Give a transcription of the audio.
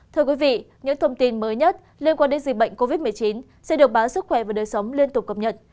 thưa quý vị những thông tin mới nhất liên quan đến dịch bệnh covid một mươi chín sẽ được báo sức khỏe và đời sống liên tục cập nhật